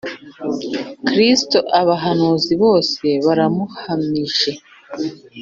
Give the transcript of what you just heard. . Kristo “abahanuzi bose baramuhamije.